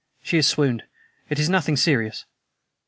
"She has swooned. It is nothing serious."